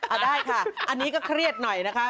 เอาได้ค่ะอันนี้ก็เครียดหน่อยนะคะ